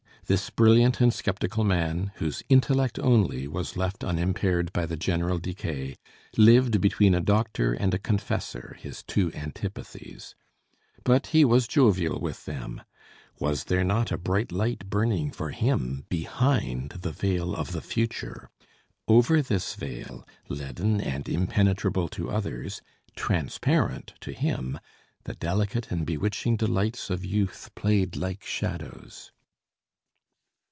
This brilliant and skeptical man, whose intellect only was left unimpaired by the general decay, lived between a doctor and a confessor, his two antipathies. But he was jovial with them. Was there not a bright light burning for him behind the veil of the future? Over this veil, leaden and impenetrable to others, transparent to him, the delicate and bewitching delights of youth played like shadows.